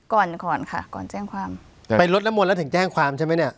ก่อนก่อนค่ะก่อนแจ้งความไปลดน้ำมนต์แล้วถึงแจ้งความใช่ไหมเนี่ย